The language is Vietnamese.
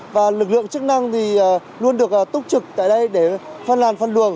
và lực lượng chức năng thì luôn được túc trực tại đây để phân làn phân luồng